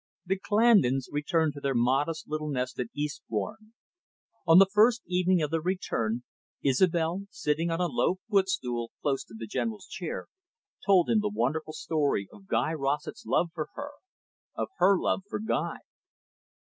The Clandons returned to their modest little nest at Eastbourne. On the first evening of their return, Isobel, sitting on a low footstool close to the General's chair, told him the wonderful story of Guy Rossett's love for her, of her love for Guy.